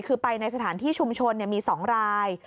คือไปในสถานที่ชุมชนมี๒ราย